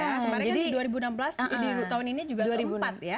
kemarin kan di dua ribu enam belas di tahun ini juga tahun dua ribu empat ya